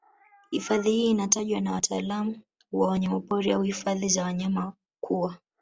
Hifadhi hii inatajwa na wataalamu wa wanyapori au hifadhi za wanyama kuwa